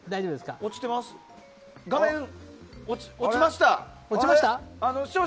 画面、落ちました。